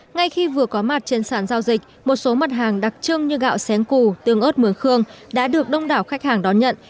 ngay khi vừa có mặt trên sàn giao dịch một số mặt hàng đặc trưng như gạo sén cù tương ớt mướng đã được đông đảo khách hàng đón nhận